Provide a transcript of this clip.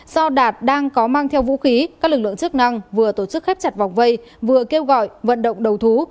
do đạt đang có mang theo vũ khí các lực lượng chức năng vừa tổ chức khép chặt vòng vây vừa kêu gọi vận động đầu thú